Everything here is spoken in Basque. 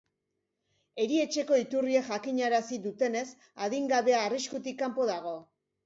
Erietxeko iturriek jakinarazi dutenez, adingabea arriskutik kanpo dago.